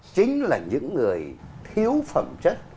chính là những người thiếu phẩm chất